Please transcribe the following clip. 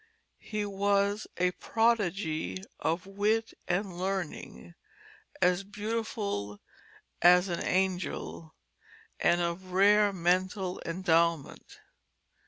He was a prodigy of wit and learning, as beautiful as an angel, and of rare mental endowment.